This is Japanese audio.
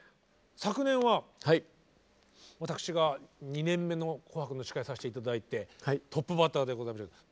昨年は私が２年目の「紅白」の司会をさせて頂いてトップバッターでございましたけど。